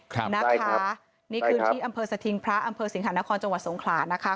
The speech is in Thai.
ครับนะคะนี่คือที่อำเภอสถิงพระอำเภอสิงหานครจังหวัดสงขลานะคะ